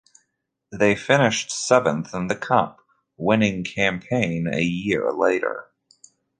They finished seventh in the cup winning campaign a year later.